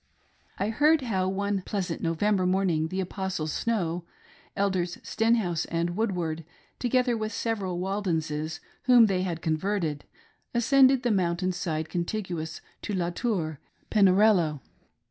I heard how, one pleas ant November morning, the Apostle Snow, Elders Stenhouse and Woodward, together with several Waldenses whom they had converted, ascended the mountain side contiguous to La Tour, and overlooking the fertile valley of Pinerello.